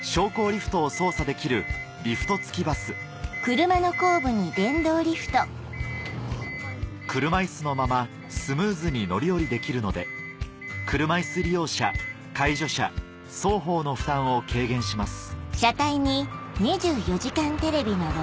リフトを操作できる車いすのままスムーズに乗り降りできるので車いす利用者介助者双方の負担を軽減します